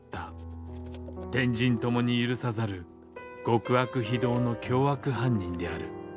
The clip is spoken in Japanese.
天人共に許さざる極悪非道の凶悪犯人である。